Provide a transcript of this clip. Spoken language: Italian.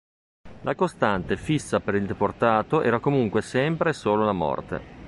La costante fissa per il deportato era comunque sempre e solo la morte.